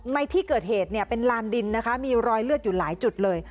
ในที่เกิดเหตุเนี่ยเป็นลานดินนะคะมีรอยเลือดอยู่หลายจุดเลย